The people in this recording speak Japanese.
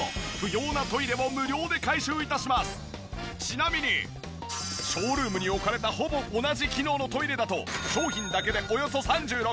しかもちなみにショールームに置かれたほぼ同じ機能のトイレだと商品だけでおよそ３６万円。